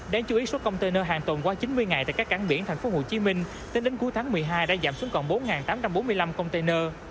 đáng chú ý số container hàng tồn qua chín mươi ngày tại các cảng biển tp hcm tính đến cuối tháng một mươi hai đã giảm xuống còn bốn tám trăm bốn mươi năm container